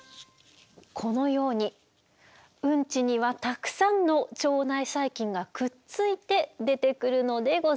このようにウンチにはたくさんの腸内細菌がくっついて出てくるのでございます。